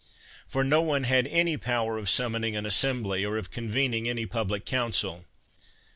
For no one had any power of summoning an assembly, or of convening any public council.